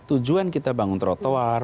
tujuan kita bangun trotoar